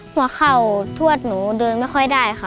หัวเข่าทวดหนูเดินไม่ค่อยได้ค่ะ